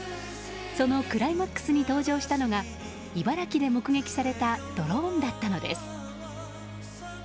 そのクライマックスに登場したのが茨城で目撃されたドローンだったのです。